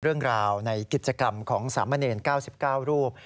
เรื่องราวในกิจกรรมของสามเณร๙๙รูป